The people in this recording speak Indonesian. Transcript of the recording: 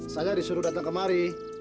saya disuruh datang kemari